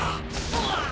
うわっ！